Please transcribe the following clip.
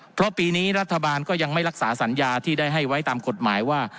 เพราะปีนี้รัฐบาลก็ยังไม่รักษาสัญญาที่ได้ให้ไว้ตามกฎหมายว่า